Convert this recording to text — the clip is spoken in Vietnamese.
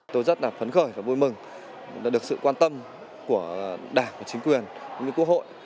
tôi rất là phấn khởi và vui mừng được sự quan tâm của đảng chính quyền quốc hội